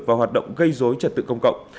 và hoạt động gây dối trật tự công cộng